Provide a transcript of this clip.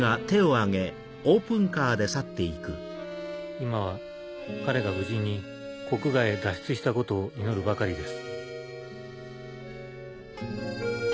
今は彼が無事に国外へ脱出したことを祈るばかりです